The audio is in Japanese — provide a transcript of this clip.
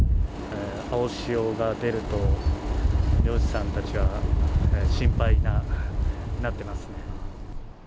青潮が出ると漁師さんたちは心配になってますね。